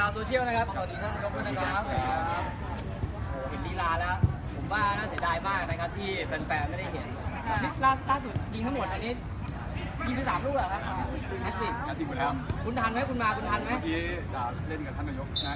สวัสดีชาวโซเชียลนะครับ